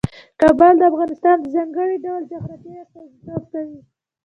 کابل د افغانستان د ځانګړي ډول جغرافیه استازیتوب کوي.